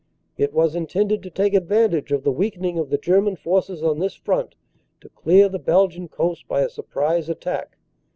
It was intended to take advantage of the weakening of the German forces on this front to clear the Belgian coast by a surprise attack.